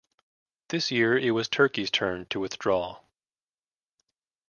This year it was Turkey's turn to withdraw.